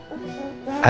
ada dua paling besar